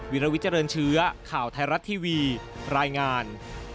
วิลวิเจริญเชื้อข่าวไทยรัฐทีวีรายงาน